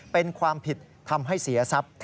เป็นความผิดทำให้เสียทรัพย์